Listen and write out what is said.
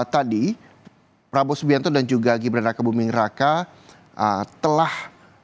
tadi prabowo subianto dan juga gibran raka buming raka telah